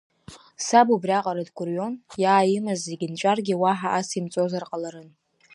Саб убриаҟара дгәырҩон, иааимаз зегьы нҵәаргьы уаҳа ацимҵозар ҟаларын.